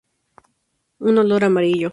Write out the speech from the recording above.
Un olor amarillo.